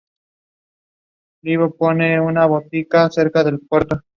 La dotación fue aumentada dos veces por la familia Lieben.